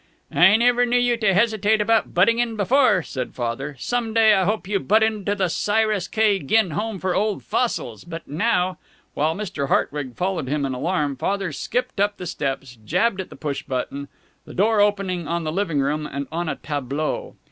"I never knew you to hesitate about butting in before," said Father. "Some day I hope you butt into the Cyrus K. Ginn Home for Old Fossils, but now " While Mr. Hartwig followed him in alarm, Father skipped up the steps, jabbed at the push button. The door opened on the living room and on a tableau.